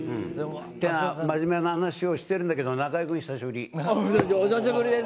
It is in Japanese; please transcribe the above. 真面目な話をしているんだけど中居君久しぶり。